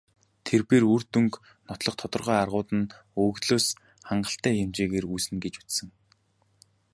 Тэр бээр үр дүнг нотлох тодорхой аргууд нь өгөгдлөөс хангалттай хэмжээгээр үүснэ гэж үзсэн.